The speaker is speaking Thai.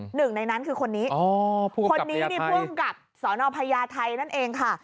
หนึ่งในนั้นคือคนนี้คนนี้นี่ภูมิกับสนพญาไทยนั่นเองค่ะ